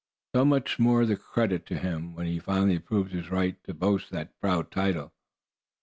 So much the more credit to him when he finally proved his right to boast that proud title.